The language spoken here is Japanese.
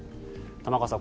玉川さん